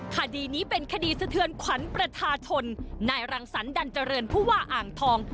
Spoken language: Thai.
คดีนี้เป็นคดีสะเทือนขวัญประชาชนนายรังสรรเจริญผู้ว่าอ่างทอง